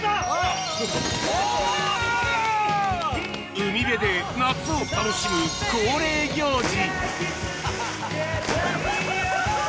海辺で夏を楽しむ恒例行事